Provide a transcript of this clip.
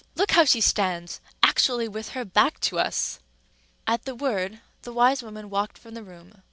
Look how she stands!—actually with her back to us." At the word the wise woman walked from the room.